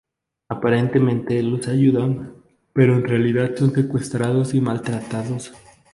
Aparentemente los ayudan, pero en realidad son secuestrados y maltratados.